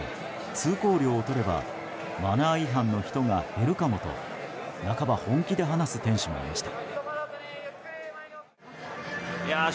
通行料を取ればマナー違反の人が減るかもと半ば本気で話す店主もいました。